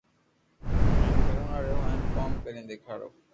ھين ڪرتا رھيو ڪوم ڪرين ديکاريو